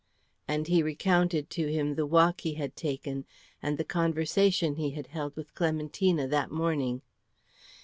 And he recounted to him the walk he had taken and the conversation he had held with Clementina that morning.